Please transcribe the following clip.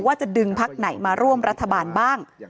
จะดึงพักไหนมาร่วมรัฐบาลบ้าง